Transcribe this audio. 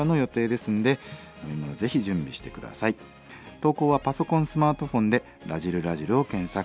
投稿はパソコンスマートフォンで「らじる★らじる」を検索